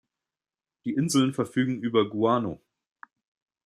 Die Inseln verfügen über Guano.